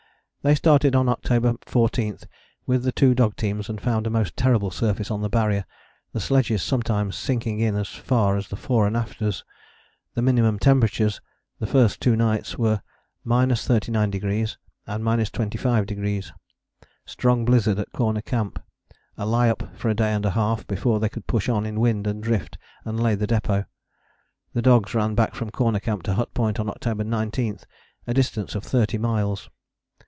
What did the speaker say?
They started on October 14 with the two dog teams and found a most terrible surface on the Barrier, the sledges sometimes sinking as far as the 'fore and afters'; the minimum temperatures the first two nights were 39° and 25°; strong blizzard at Corner Camp; a lie up for a day and a half, before they could push on in wind and drift and lay the depôt. The dogs ran back from Corner Camp to Hut Point on October 19, a distance of thirty miles.